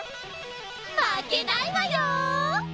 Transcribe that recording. まけないわよ！